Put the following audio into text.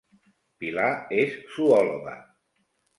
Pilar és zoòloga